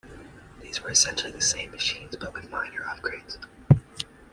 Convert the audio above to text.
These were essentially the same machines, but with minor upgrades.